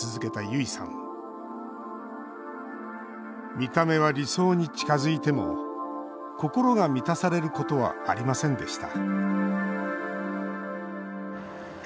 見た目は理想に近づいても心が満たされることはありませんでした